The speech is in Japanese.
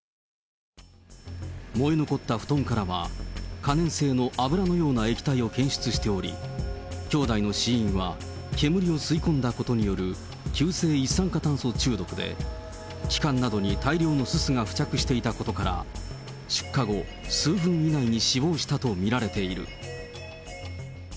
燃え残った布団からは、可燃性の油のような液体を検出しており、兄弟の死因は、煙を吸い込んだことによる急性一酸化炭素中毒で、気管などに大量のすすが付着していたことなどから、出火後、数分以内に死亡したと見られている。